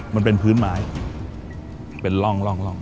มันเป็นพื้นไม้เป็นร่อง